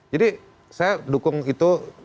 jadi saya dukung itu